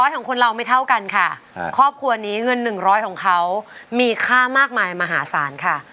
๑๐๐ของคนเราไม่เท่ากันค่ะครอบครัวนี้เงิน๑๐๐ของเขามีค่ามากมายมาหาสารค่ะ